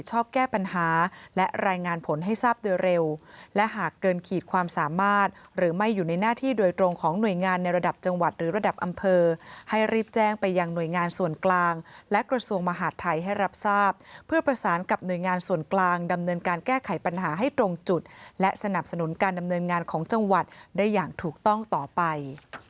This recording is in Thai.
จังหวัดหรือระดับอำเภอให้รีบแจ้งไปยังหน่วยงานส่วนกลางและกระทรวงมหาธัยให้รับทราบเพื่อประสานกับหน่วยงานส่วนกลางดำเนินการแก้ไขปัญหาให้ตรงจุดและสนับสนุนการดำเนินงานของจังหวัดได้อย่างถูกต้องต่อไป